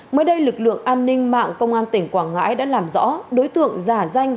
mới đây lực lượng an ninh mạng công an tỉnh quảng ngãi đã làm rõ đối tượng giả danh